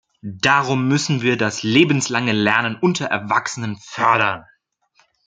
Darum müssen wir das lebenslange Lernen unter Erwachsenen fördern.